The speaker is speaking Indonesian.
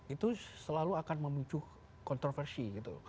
itu selalu akan memicu kontroversi gitu